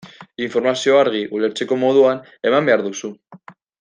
Informazioa argi, ulertzeko moduan, eman behar duzu.